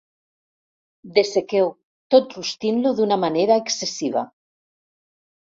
Dessequeu, tot rostint-lo d'una manera excessiva.